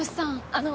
あの。